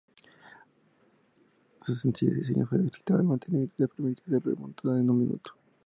Su sencillo diseño facilitaba el mantenimiento y le permitía ser desmontada en un minuto.